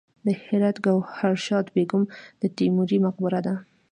د هرات ګوهردش بیګم د تیموري مقبره ده